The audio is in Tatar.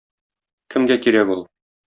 Кемгә кирәк ул?